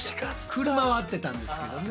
車はあってたんですけどね。